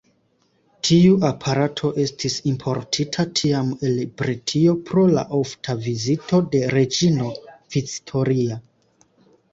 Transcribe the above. Tiu aparato estis importita tiam el Britio pro la ofta vizito de reĝino Victoria.